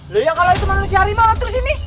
loh iya kalau itu manusia harimau ngatur sini